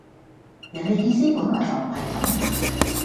人地意思本來就唔係咁